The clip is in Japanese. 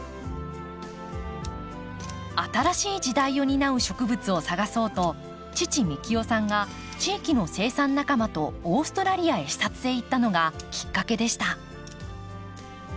新しい時代を担う植物を探そうと父幹雄さんが地域の生産仲間とオーストラリアへ視察へ行ったのがきっかけでした。